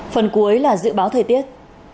phần cuối là dự báo thời tiết